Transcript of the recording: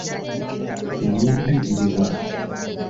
Emiyembe giri wa?